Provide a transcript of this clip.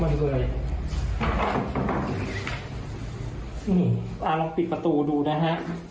ลองปิดประตูดูนะครับ